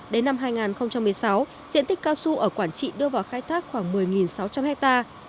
đến năm hai nghìn một mươi sáu diện tích cao su ở quảng trị đưa vào khai thác khoảng một mươi sáu trăm linh hectare